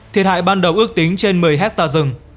thiệt hại ban đầu ước tính trên một mươi hectare rừng